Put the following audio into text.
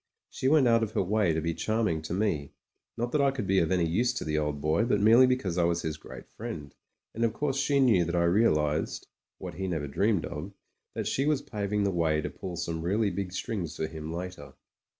She went out of her way to be charming to me, not that I could be of any use to the old boy, but merely because I was his great friend ; and of course she knew that I realised — what he never dreamed of — ^that she was paving the way to pull some really big strings for him later.